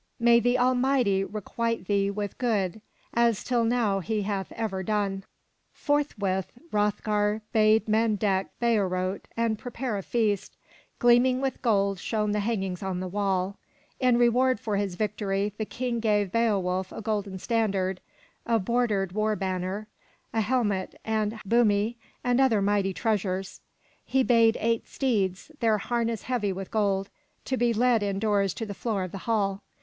May the Almighty requite thee with good, as till now He hath ever done!'' Forthwith Hroth'gar bade men deck Heorot and prepare a feast. Gleaming with gold shone the hangings on the wall. In reward for his victory, the King gave Beowulf a golden standard, a broidered war banner, a helmet and bumie and other mighty treasures. He bade eight steeds, their harness heavy with gold, to be led indoors on the floor of the hall.